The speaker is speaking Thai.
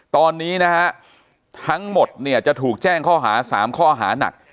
ตอนนี้นะฮะทั้งหมดเนี่ยจะถูกแจ้งข้อหา๓ข้อหานัก